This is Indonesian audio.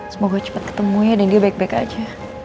semoga cepat ketemu ya dan dia baik baik aja